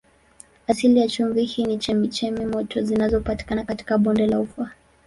Asili ya chumvi hii ni chemchemi moto zinazopatikana katika bonde la Ufa.